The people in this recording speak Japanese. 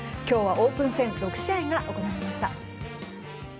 今日はオープン戦６試合が行われました。